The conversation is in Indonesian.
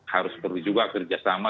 harus perlu juga kerjasama